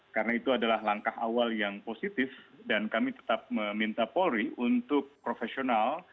karena itu adalah langkah awal yang positif dan kami tetap meminta polri untuk profesional